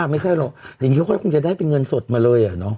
ไม่ใช่หรอกอย่างนี้ค่อยคงจะได้เป็นเงินสดมาเลย